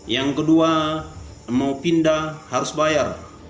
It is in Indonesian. yang kedua mau pindah harus bayar